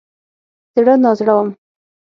زړه نازړه وم.